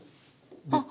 あっ！